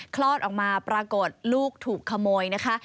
คลอดออกมาปรากฏลูกถูกขโมยนะคะ